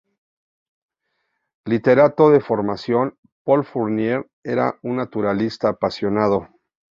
Literato de formación, Paul Fournier era un naturalista apasionado.